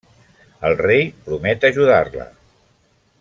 El rei promet ajudar-la.